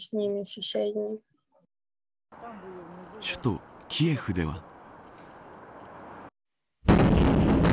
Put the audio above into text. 首都、キエフでは。